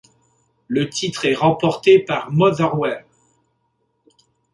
Le titre est remporté par Motherwell.